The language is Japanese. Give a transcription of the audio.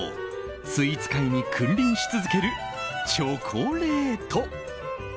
スイーツ界に君臨し続けるチョコレート。